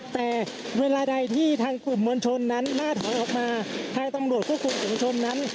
แต่เวลาใดที่ทางกลุ่มมวลชนนั้นล่าถอยออกมาทางตำรวจควบคุมฝุงชนนั้น